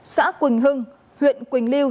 xã quỳnh hưng huyện quỳnh liêu